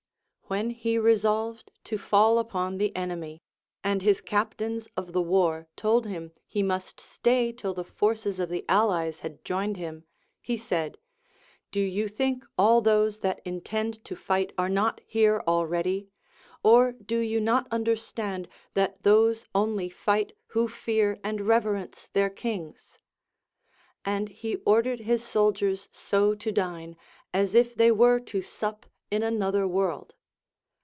AVhen he resolved to fall upon the enemy, and his captains of the war told him he must stay till the forces of the allies had joined him, he said : Do you think all those that intend to fight are not here already] Or do you not understand that those only fight who fear and reverence their kings ] And he ordered his soldiers so to dine, as if they were to sup in another world.